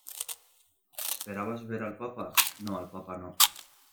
¿ esperabas ver al papa? no, al papa no.